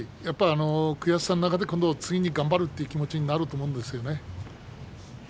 悔しさの中で次頑張ろうという気持ちになると思うんですね。